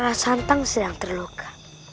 rasantang sedang terluka